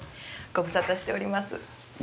ご無沙汰してます。